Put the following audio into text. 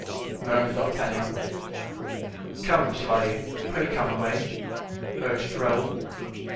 murmured D'Artagnan. "Come, chevalier, pray come away," urged Raoul.